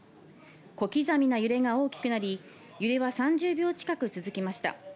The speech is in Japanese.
小刻みな揺れが大きくなり、揺れは３０秒近く続きました。